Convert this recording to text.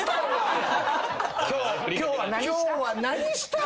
今日は何した！？